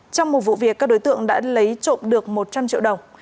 trong một vụ việc các đối tượng đã lấy trộm được một trăm linh triệu đồng